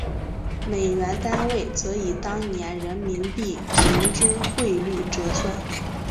美元单位则以当年人民币平均汇率折算。